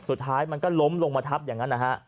สุดท้ายมันก็ล้มลงมาทับอย่างนั้นนะฮะ